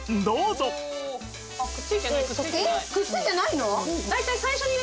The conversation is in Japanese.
えっくっついてないの！？